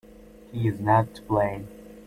He is not to blame.